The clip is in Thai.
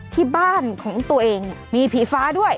ที่บ้านของตัวเองมีผีฟ้าด้วย